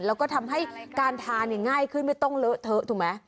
แล้วก็ทำให้การทานง่ายขึ้นไม่ต้องเลอะเทอะถูกไหม